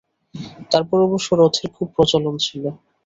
তারপর অবশ্য রথের খুব প্রচলন ছিল।